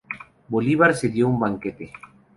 Bolívar se dio un banquete.